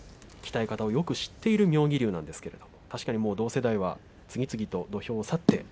鍛え方をよく知っている妙義龍なんですけれども、確かにもう同世代は次々と土俵を去って。